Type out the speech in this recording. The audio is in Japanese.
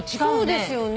そうですよね。